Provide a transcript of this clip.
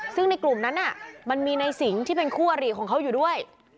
ซึ่งในกลุ่มนั้นมันมีในสิงที่เป็นคู่อริของเขาอยู่ด้วย